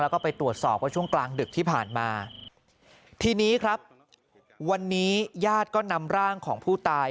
แล้วก็ไปตรวจสอบว่าช่วงกลางดึกที่ผ่านมาทีนี้ครับวันนี้ญาติก็นำร่างของผู้ตาย